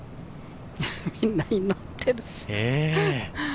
みんな祈ってる。